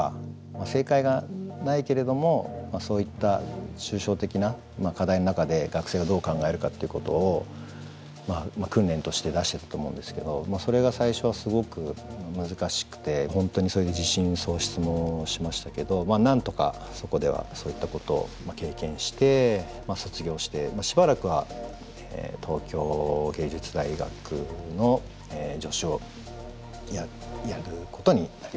正解がないけれどもそういった抽象的な課題の中で学生がどう考えるかっていうことを訓練として出してたと思うんですけどそれが最初はすごく難しくて本当にそれで自信喪失もしましたけどまあなんとかそこではそういったことを経験して卒業してしばらくは東京藝術大学の助手をやることになりました。